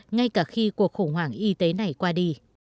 ngay cả khi cuộc khủng hoảng y tế này qua đi